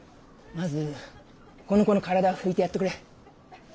まずこの子の体拭いてやってくれ。